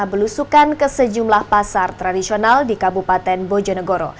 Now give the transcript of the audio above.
belusukan ke sejumlah pasar tradisional di kabupaten bojonegoro